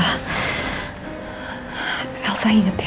disitu till datang hari k soc ma